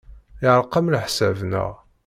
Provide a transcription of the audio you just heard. Yeɛreq-am leḥsab, naɣ?